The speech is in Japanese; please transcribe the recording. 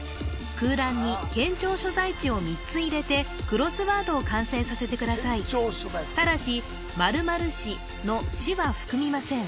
空欄に県庁所在地を３つ入れてクロスワードを完成させてくださいただし○○市の「市」は含みません